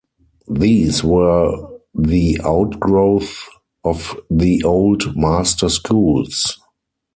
These were the outgrowth of the old master schools.